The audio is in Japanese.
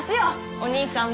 お兄さんも。